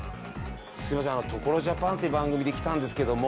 すいません「所ＪＡＰＡＮ」っていう番組で来たんですけども。